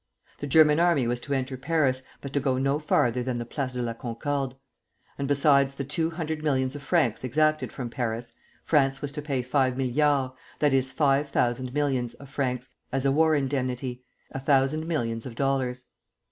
The German army was to enter Paris, but to go no farther than the Place de la Concorde; and besides the two hundred millions of francs exacted from Paris, France was to pay five milliards, that is, five thousand millions, of francs, as a war indemnity, a thousand millions of dollars.